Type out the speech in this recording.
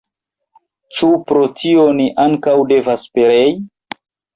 Ĉu pro tio ni ankaŭ devas perei?